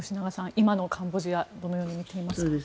今のカンボジアをどのように見ていますか。